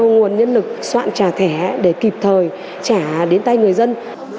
nguồn nhân lực soạn trả thẻ để kịp thời trả đến tay người dân